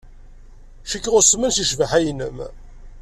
Cikkeɣ usmen seg ccbaḥa-nnem.